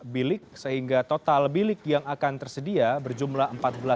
tiga belas bilik sehingga total bilik yang akan tersedia berjumlah empat belas empat ratus